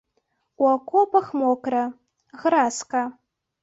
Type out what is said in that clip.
У акопах мокра, гразка.